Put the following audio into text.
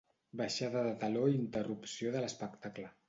Baixada de teló i interrupció de l'espectacle.